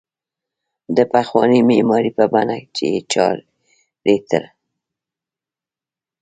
د پخوانۍ معمارۍ په بڼه یې چارې تر